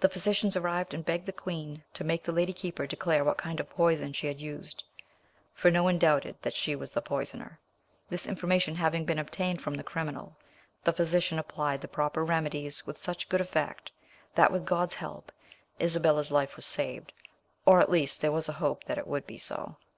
The physicians arrived and begged the queen to make the lady keeper declare what kind of poison she had used (for no one doubted that she was the poisoner). This information having been obtained from the criminal, the physician applied the proper remedies with such good effect that, with God's help, Isabella's life was saved, or at least there was a hope that it would be so.